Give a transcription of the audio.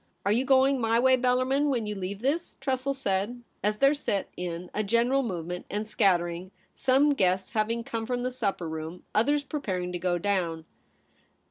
* Are you going my way, Bellarmin, when you leave this ?' Tressel said, as there set in a general movement and scattering, some guests having come from the supper room, others preparing to go down.